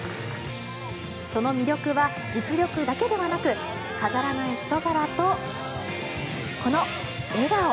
その魅力は、実力だけではなく飾らない人柄とこの笑顔。